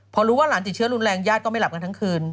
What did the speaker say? พอรู้ว่าหลานติดเชื้อรุนแรงญาติก็ไม่หลับกันทั้งคืน